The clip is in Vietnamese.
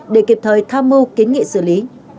để kiệp thời tham mưu kiến nghị xử lý